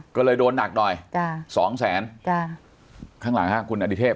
ก็เลยโดนหนักหน่อยจ้ะสองแสนจ้ะข้างหลังฮะคุณอดิเทพ